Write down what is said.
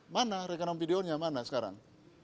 mana rekanan videonya mana sekarang